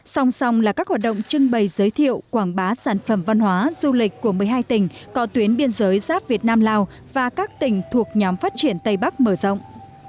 song song là các hoạt động trưng bày giới thiệu quảng bá sản phẩm văn hóa du lịch của một mươi hai tỉnh có tuyến biên giới giáp việt nam lào và các tỉnh thuộc nhóm phát triển tây bắc mở rộng